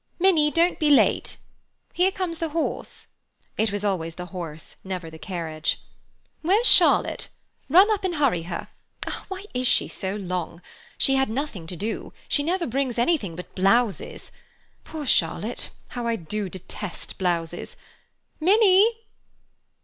"Minnie, don't be late. Here comes the horse"—it was always the horse, never the carriage. "Where's Charlotte? Run up and hurry her. Why is she so long? She had nothing to do. She never brings anything but blouses. Poor Charlotte—How I do detest blouses! Minnie!"